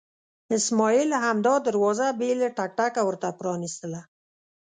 اسماعیل همدا دروازه بې له ټک ټکه ورته پرانستله.